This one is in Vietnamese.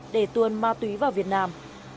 để tuôn ma túy vào việt nam